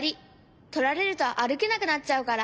とられるとあるけなくなっちゃうから。